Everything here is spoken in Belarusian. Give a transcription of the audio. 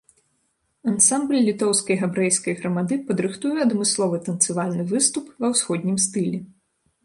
Ансамбль літоўскай габрэйскай грамады падрыхтуе адмысловы танцавальны выступ ва ўсходнім стылі.